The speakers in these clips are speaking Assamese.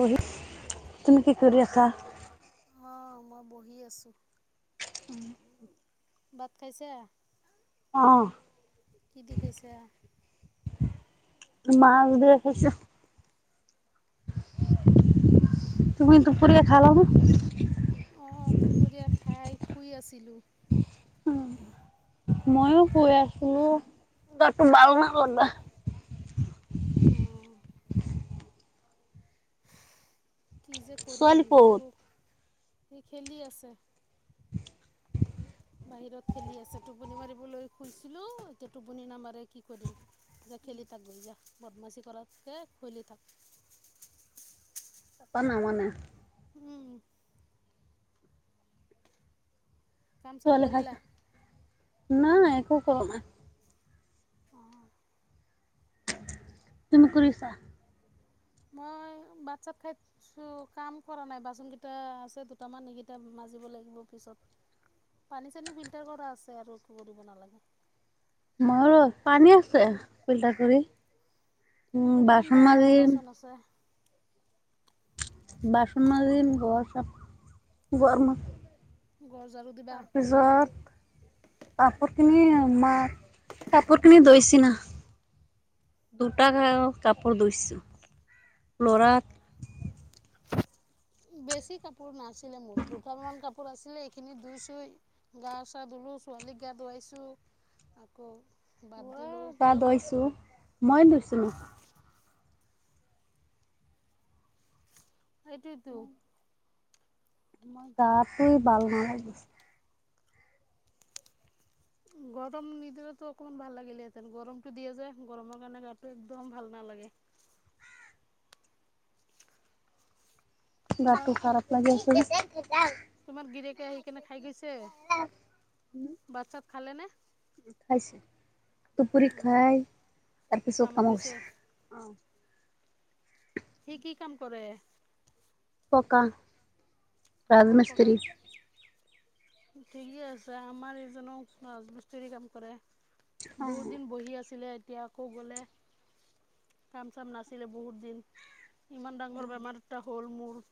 বহি- তুমি কি কৰি আছা? অ', মই বহি আছোঁ। ভাত খাইছা? অ' কি দি খাইছা? মাছ দিয়ে খাইছোঁ। তুমি দূপৰীয়া খালা নে? অ', দুপৰীয়া খাই শুই আছিলোঁ। ময়ো শুই আছিলোঁ। গাটো বাল নাই লগা। উম। কি যে ছোৱালী কৰিম? ক'ত? একো- সি খেলি আছে। [unintelligible] বাহিৰত খেলি আছে। টোপনি মাৰিবলৈ শুইছিলোঁ। এতিয়া টোপনি নামাৰে কি কৰিম? এতিয়া খেলি থাক গৈ যা। বদমাছি কৰাতকে খৈলি থাক। তাপা নামানে। উম, কাম-চাম ছোৱালী কৰিলা? খাইছে। নাই, একো কৰা নাই। অ', তুমি কৰিছা? মই বাট চাত খাই কাম কৰা নাই বাচন কেইটা আছে দুটামান সেইকেইটা মাজিব লাগিব পিছত পানী চানী ফিল্টাৰ কৰা আছে আৰু কি কৰিব নালাগে। মৰ পানী আছে ফিল্টাৰ কৰি। উ উম, দুটামান বাচন বা মাজিম, বাচন আছে। বাচন মাজিম ঘৰ চাফ। ঘৰ ঝাৰু দিবা তাৰপিছত কাপৰ খিনি। কাপৰখিনি দৈচিনা। দুটা কাপোৰ দুইছো লৰা। বেছি কাপোৰ নাছিলে মোৰ দুটামান কাপোৰ আছিলে এইখিনি দুুইছো গা চা ধুলো। ছোৱালীক গা ধুৱাইছো আকৌ। বাদ লৰা দিলোঁ গা ধুৱাইছো মই ধুইছো। এইটোৱেইটো। মই গা টোৱেই ভাল নালাগিছে। গৰম নিদিলতো অকমান ভাল লাগিলেহেঁতেন গৰমতটো দিয়ে যে গৰমৰ কাৰণে গাটো একদম ভাল ন। লাগে। গ তোমাৰ তুকাৰত মাজি। তোমাৰ গিৰেকে আহি কেনে খাই গৈছে বাট চাত খালে নে। খাইছে তুপুৰী অঁ খাই তাৰপিছত কামত গৈছে কামছে আহ। সি কি কাম কৰে ককা অঁ পকা ৰাজমন্ত্ৰী। ঠিকেই আছে আমাৰ এইজনকাজমষ্ট্তী কাম কৰে। বহুত দিন বহি আছিলে এতিয়া আকৌ গলে। কাম চাম নাছিলে বহুত দিন। ইমান ডাঙৰ বেমাৰটা হ'ল মোৰ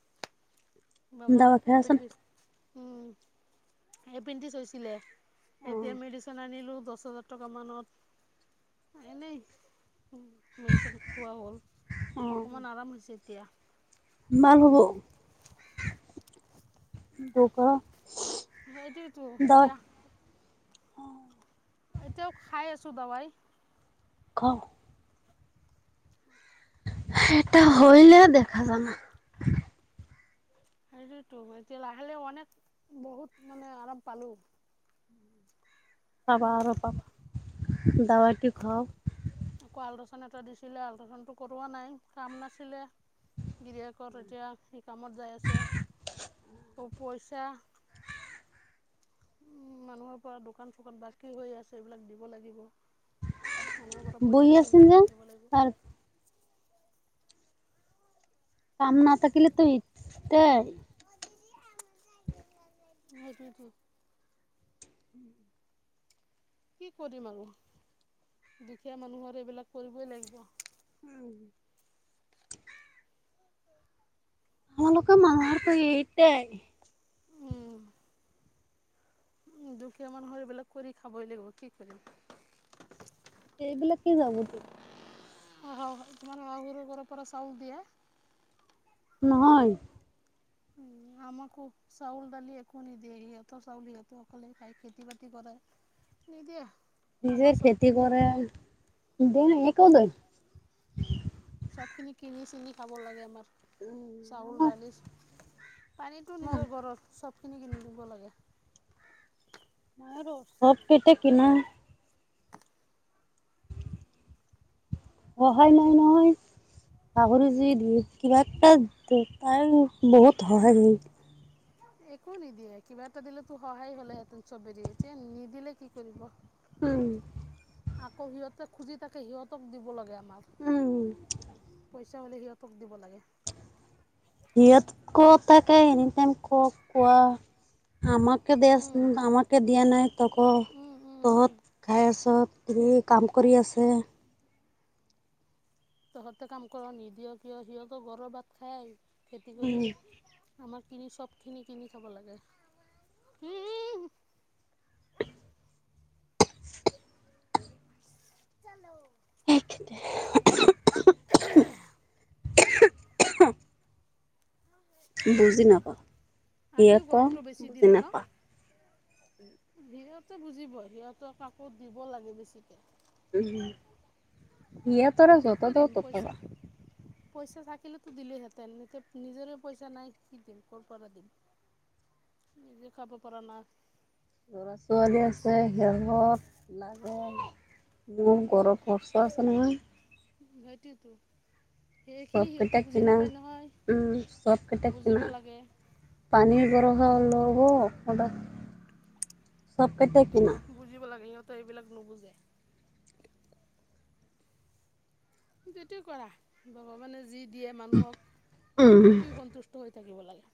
বামাৰ দাৱা খাই আছ না? এপডি উম এপেণ্ডিছ হৈছিলে এতিয়া মেডিচিন আনিলো দহ হাজাৰ টকা মানত এনেই মেডিচিন খোৱা হ'ল অকমান আৰাম হৈছে দয়া। মাৰ হব দকা হেই দউ তো হতয় এতিয়াও খাই আছো দাবাই। কা। এটা হৈলে দেখা যনা। সেইৰিতো এতিয়া লাহে লে অনেক বহুত মানে আৰাম পালো। ৰপাবা আৰু ৰপাব দাৱাট খাওঁ। আকৌ আলট্ৰাচন এটা দিছিলে আল্ট্ৰাচনটো কৰোৱা নাই কাম নাছিলে গিৰিয়েকৰ এতিয়া স কামত যাই আছে পইচাঁ। উম মানুহৰ পৰা দোকান চকান বাকী হৈ আছে এইবিলাক দিব লাগিব। মানহ পৰা বহি পইচাঁ আছে লিছো ল যে লাগ দিব লাগিব তাৰ কাম ন থাকিলে তো ইয় ভাগে। কি কৰিম আৰু দুখীয়া মানুহৰ এইবিলাক কৰিবই লাগিব। উম। আমালোকে মানুহৰেই এইটোও। উ দুখীয়া মানুহ সিবিলাক কৰি খাবই লাগিব কি কৰিম। সেইবিলাকেই যাব দ অঁ তানে আৰু পৰা পৰা চউ দিয় নহয়। উম। আমাকো চাউল দালি একো নিদিয়ে সিহঁতৰ চাউল সিহঁত অকলে খাই খেতি বাতি কৰে। নিদিয়ে। নিজে আমাৰ চব খেতি কিনি কৰে, দেই সিকো দেই। চবখিনি কিনি চিনি খাব লাগে আমাৰ। চাউল, দালি আমাৰ পানীতো নিজৰ ঘৰৰ, চব খিনি কিনি লব লাগে। ময়োটো চব কিটা কিনো। নহয় সেইটোতো নহয়। পাহৰি যু দি কিবা এটা তাই বহুত সহায় হ একো নিদিয়ে। কিবা এটা দিলেটো সহায় হলেহেঁতেন চবেৰে। এতিয়া নিদিলে কি কৰিব? উম। আকৌ সিহঁতে খুজি থাকে সিহঁতক দিব লাগে আমাক উম পই চাবলে সিহঁতক দিব লাগে। [unintelligible] কোৱা। আমাকে [unintelligible] দিয়া উম নাই আমাক দিয়া নাই তক' উম উম তহঁত উম খাই আছ। কি কাম কৰি আছে। তহঁতে কাম কৰ নিদিয় কিয়? সিহঁতক গৰৰ ভাত খায় খেতি কৰি। আমাৰ কিনি চব খিনি কিনি খাব লাগে। উম। [unintelligible] বুজি নাপাওঁ। আজিও সিহঁতৰ গৰমটো বেছি বুজি দিলে ন? নাপাওঁ সিহঁতে বুজিব। সিহঁতক কাকো দিব লাগে বেছিকে। উম সিয়তৰা কি কৰিম পইচা [unintelligible] পইচা থাকিলেতো দিলেহেঁতেন। এতিয়া নিজৰে পইচা নাই কি দিম? ক'ৰ পৰা দিম? নিজে খাব পাৰা না ল'ৰা ছোৱালী আছে [unintelligible] বহুত গৰম পৰচে আছনাই ভেটিতো চব কেইটা কিনো। উ চব কেইটাে বুজিব কিনা। লাগে পানীৰ গৰম [unintelligible] বুজিব লাগে। সিহঁতে এইবিলাক নুবুজে। যিটো কৰা। ভগৱানে যি দিয়ে মানুহক উম সেইটোই সন্তুষ্ট হৈ থাকিব লাগে।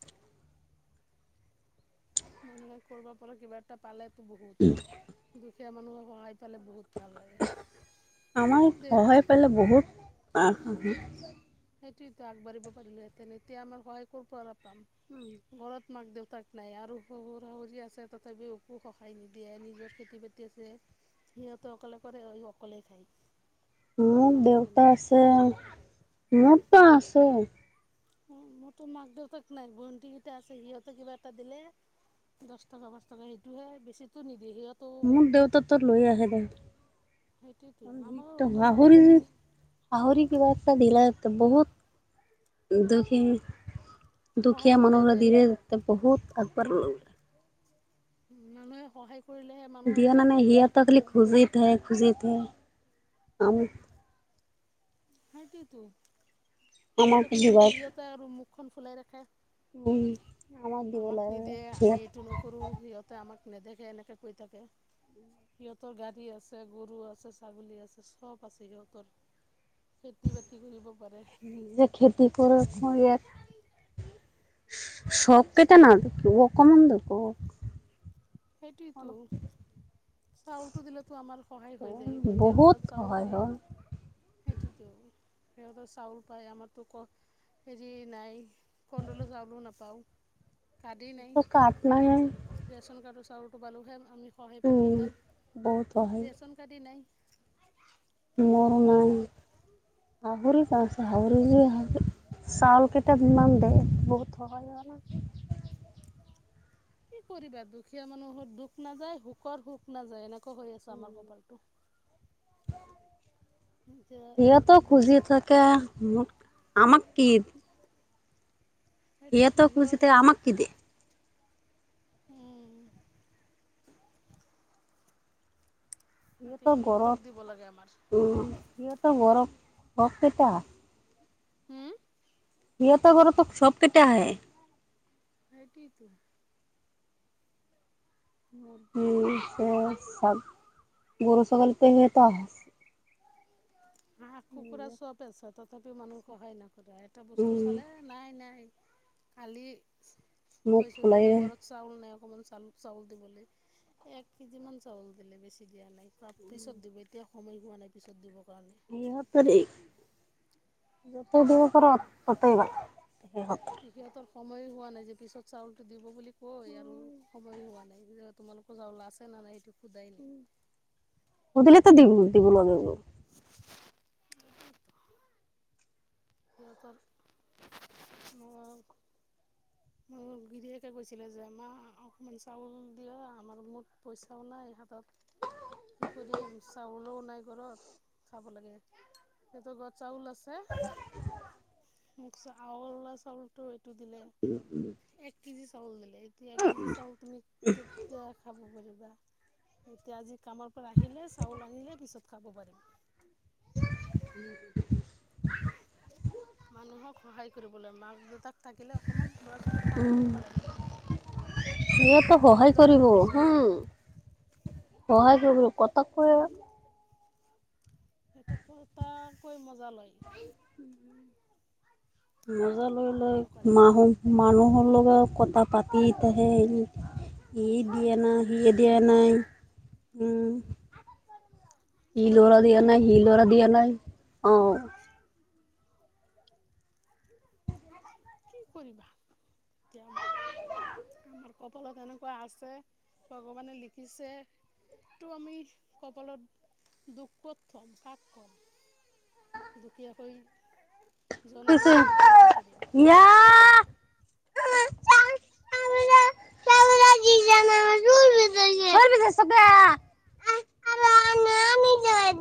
মানুহে কৰবাৰ পৰা কিবা এটা পালেটো বহুত। দুখীয়া মানুহে সহায় তালে বহুত ভাল লাগে। মোৰ দেও আহ হ হ সেইটোৱেটো আগবাঢ়িব পাৰিলোহেতেন। এতিয়া আমাৰ সহায় কৰ পৰা পাম? ঘৰত মাক দেউতাক নাই আৰু শহুৰ শাহুৰ আছে তথাপিও একো সহায় নিদিয়ে। নিজৰ খেতি বাতি আছে সিহঁতে অকলে কৰে, অকলেই খায়। মোৰ আমাক একো দেউতা নিদিয়ে আছে, মোৰটো আছে। মোৰটো মাক দেউতাক নাই। ভণ্টি কেইটা আছে সিহঁতে কিবা এটা দিলে দছ টকা, পাঁচ টকা সেইটোহে। বেছি টো নিদ মোৰ দেউতা তোৰ লৈ আহে দে। সেইটোৱেতো আমাৰো দম অকণমান আৰি অকণমান আহৰি কিবাৰটা দিল [unintelligible] ত বহুত দেখি সহায় দুখীয়া মানুহৰে হ'লেহেঁতেন ধীৰে ধতে বহুত আগবঢ় লে [unintelligible] মানুহে সহায় কৰিলেহে মানুহত দিয় নানে লাইফত কিবা এটা সিহঁতক খালি কৰিব খুজি থাক, খুজি থাক। আম সেইটোৱেটো। সিহঁতক নিদিলে সিহঁতে আৰু মুখখন ফুলাই ৰাখে। কম আমাক নিদিয়ে, আমি এইটো নকৰো, সিহঁতে আমাক নেদেখে, এনেকে কৈ থাকে। সিহঁতৰ গাড়ী আছে গৰু আছে ছাগলী আছে সব আছে সিহঁতৰ খেতি বাতি কৰিব পাৰে যে খেতি কৰে কৰি চব কেইটা ন দেখ কমন দক সেইটোৱতো চাউলটো দিলেতো আমাৰ সহায় হৈ যায় এতিয়া বহুত ঘৰত চাউল সহায় থাকে হয় সেইটোতো সিহতৰ চাউল পায় আমাৰতো ক হেৰি নাই কনটল চাউলও নাপাওঁ কাৰ্ডেই নাই টো কাট নাইয়ে চৰুটো পালোঁহে আমি সহায় পালোঁহেঁতেন বহুত ৰেচন কাৰ্ডি নাই মৰ ক'ৰ পৰা নাই পাম [unintelligible] চাউল কেইটাপ মান দে [inaudible] কি কৰিবা দুখীয়া মানুহৰ দুখ নাযায় সুখৰ সুখ নাযায় এনেক হৈ আছো আমাৰ কপালটো এতিয়া সিহঁতো খুজি থাকে ম আমাক কি সেইটোতো সিহতো খুজি সিহঁত থাকে আমাক কি দিয়ে উম এতিয়া ইহঁতৰ সিহঁতক গৰম দিব লাগে আমাৰ উ ইহঁতৰ গৰম শ কেইটা হম সিহত ঘৰততো সব কেইটা আহে সেইটোৱেইটো উম চব গৰু ছাগলী পেং এটা আহে হাঁহ কুকুৰা চব আছ তথাপিও মানুহ সহায় নাইক এটা বস্তু উম চালে নাই নাই কালি মোক কৈছিলো ওলাই যে ঘৰত চাউল নাই অকমান চাউল চাউল দিবলৈ এক কেজি মান চাউল দিলে বেছি দিয়া নাই পিছত দিব এতিয়া সময় হোৱা নাই পিছত দিবৰ কাৰণে সিহতৰি যতে দিবস পতাইবা সিহঁতৰ সময়ো হোৱা নাই যে পিছত চাউলটো দিব বুলি কয় আৰু সময়ো হোৱা নাই এই তোমালোকো যাওলা আছে নাই এইটো সুধিল তো দি দিব লাগিব সিহঁতৰ ম মোৰ গিৰিয়েকে কৈছিলে যে মমা অকণমান চাউল দিয়া আমাৰ মোৰ পইচাও নাই হাতত কি কৰিম চাউলও নাই ঘৰত খাব লাগে সিহঁতৰ ঘত চাউল আছে মুখ চল চাউলটো এইটো দিলে এক কেজি চাউল দিলে এতিয়া এক কেজি চাউল তুমি কেতিয়া খাব পাৰিব এতিয়া আজি কামৰ পৰা আহিলে চাউল আনিলে পিছত খাব পাৰিম উ মানুহক সহায় কৰিবলৈ মাক দেউতাক থাকিলে অকণমান ল'ৰা ছোৱালীক সহায় উম কৰিব লাগে [unintelligible] সিহঁতে সেইটো সহাই একদম কৰিব নুবুজে হু সহায় কৰিব কথা কয় এটো কোৰটা কৈ মজা লয় উম মজা লৈ সহায় লৈ নকৰে আৰু মাহু মানুহৰ লগত কথা পাতি থাহে এনে সি নিদিয়ে দিয়ে নাই নিদিয়ে বুলি সি কৈ দিয়ে থাকে নাই উম সি চবেই ল'ৰা বাৰু দিয়া নাই তেনেকুৱাই সি ল'ৰা দিয়া নাই অ কি কৰিবা এতিয়া আমাৰ কপালত এনেকুৱা আছে ভগৱানে লিখিছে টো আমি কপালত দুখ পত থম ভাক কম দুখীয়া হৈ জনম কিছু লৈছোঁ এতিয়া কি কৰিম না [inaudible] [inaudible] ইয়া [inaudible]